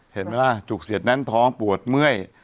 เห็นไหมล่ะจุกเสียดนั้นท้องปวดเมื่อย